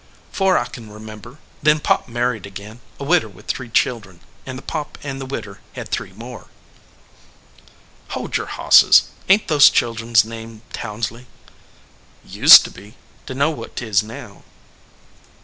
" Fore I can remember ; then Pop married again, a widder with three children, and then Pop and the widder had three more " "Hold your hosses. Ain t those children s name Townsley?" "Used to be. Dunno what tis now."